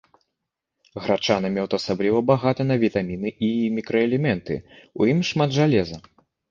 Грачаны мёд асабліва багаты на вітаміны і мікраэлементы, у ім шмат жалеза.